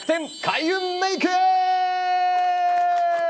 開運メイク。